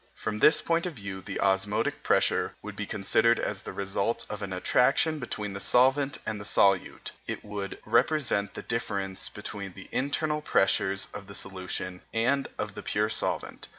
From this point of view the osmotic pressure would be considered as the result of an attraction between the solvent and the solute; and it would represent the difference between the internal pressures of the solution and of the pure solvent.